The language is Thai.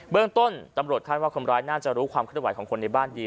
เรื่องต้นตำรวจคาดว่าคนร้ายน่าจะรู้ความเคลื่อนไหวของคนในบ้านดี